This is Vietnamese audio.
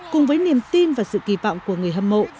cùng với niềm tin và sự kỳ vọng của người hâm mộ